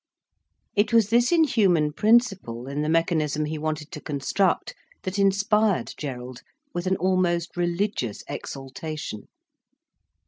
It was this inhuman principle in the mechanism he wanted to construct that inspired Gerald with an almost religious exaltation.